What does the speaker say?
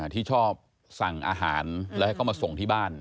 ที่ชอบสั่งอาหารแล้วให้เขามาส่งที่บ้าน